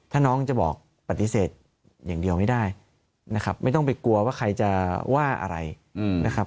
ถ้าน้องจะบอกปฏิเสธอย่างเดียวไม่ได้นะครับไม่ต้องไปกลัวว่าใครจะว่าอะไรนะครับ